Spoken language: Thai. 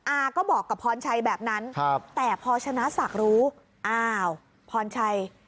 อาก็บอกกับพรชัยแบบนั้นแต่พอชนะศักดิ์รู้อ้าวพรชัย